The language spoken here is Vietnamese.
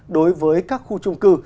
đối với các khu trung cư